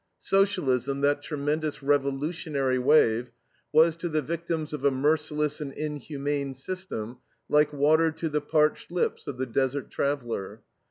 Socialism, that tremendous revolutionary wave, was to the victims of a merciless and inhumane system like water to the parched lips of the desert traveler.